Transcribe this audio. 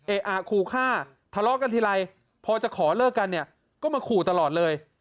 ขู่ฆ่าทะเลาะกันทีไรพอจะขอเลิกกันเนี่ยก็มาขู่ตลอดเลย